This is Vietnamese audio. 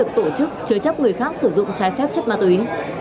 tổ chức chứa chấp người khác sử dụng trái phép chất ma túy